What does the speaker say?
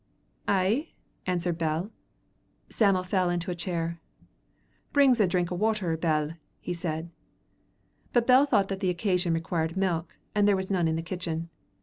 "Ay," answered Bell. Sam'l fell into a chair. "Bring's a drink o' water, Bell," he said. But Bell thought the occasion required milk, and there was none in the kitchen.